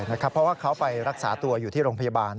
เพราะว่าเขาไปรักษาตัวอยู่ที่โรงพยาบาล